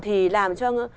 thì làm cho